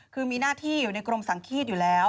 คือมีหน้าที่อยู่ในกรมสังฆีตอยู่แล้ว